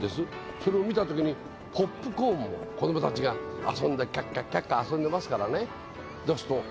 それを見た時にポップコーンも子どもたちが遊んでキャッキャッキャッキャッ遊んでますからね。